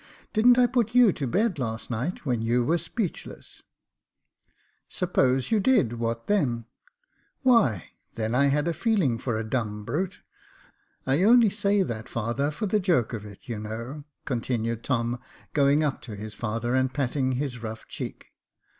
" Didn't I put you to bed last night when you were speechless ?"" Suppose you did — what then ?" Why, then, I had a feeling for a dumb brute. I only say that, father, for the joke of it, you know," con tinued Tom, going up to his father and patting his rough cheek.